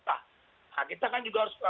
nah kita kan juga harus